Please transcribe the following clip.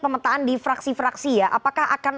pemetaan di fraksi fraksi ya apakah akan